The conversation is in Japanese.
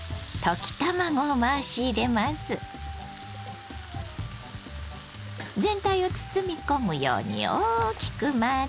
全体を包み込むように大きく混ぜます。